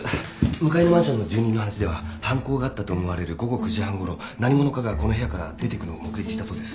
向かいのマンションの住人の話では犯行があったと思われる午後９時半ごろ何者かがこの部屋から出ていくのを目撃したそうです。